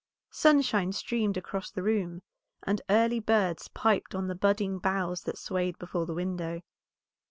Sunshine streamed across the room, and early birds piped on the budding boughs that swayed before the window.